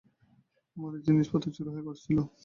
আমাদের জিনিস পত্র চুরি করছিল।